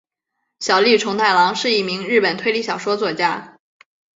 小栗虫太郎是一名日本推理小说作家。